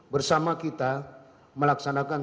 bersama kita melaksanakan